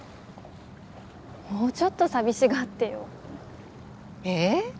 もうちょっと寂しがってよ。え？